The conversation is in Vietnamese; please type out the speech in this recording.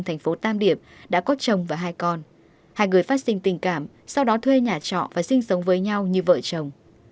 thành phố tam điệp đã có chồng và hai con hai người phát sinh tình cảm sau đó thuê nhà trọ và sinh sống với nhau như vợ chồng